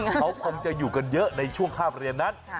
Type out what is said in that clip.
เขาคงจะอยู่กันเยอะในช่วงข้ามเรียนนั้น